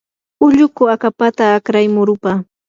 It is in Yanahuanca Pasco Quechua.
ulluku akapata akray murupa.